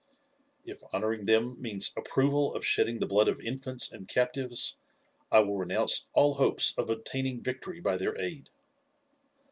"If honouring them means approval of shedding the blood of infants and captives, I will renounce all hopes of obtaining victory by their aid."